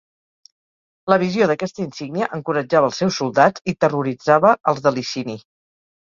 La visió d'aquesta insígnia encoratjava els seus soldats i terroritzava els de Licini.